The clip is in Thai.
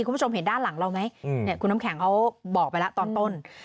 คุณผู้ชมเห็นด้านหลังเราไหมเนี่ยคุณน้ำแข็งเขาบอกไปแล้วตอนต้น